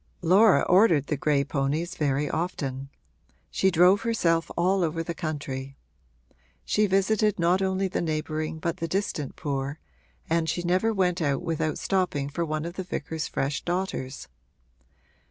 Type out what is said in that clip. Laura ordered the gray ponies very often: she drove herself all over the country. She visited not only the neighbouring but the distant poor, and she never went out without stopping for one of the vicar's fresh daughters.